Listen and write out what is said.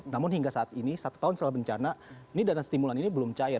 namun hingga saat ini satu tahun setelah bencana ini dana stimulan ini belum cair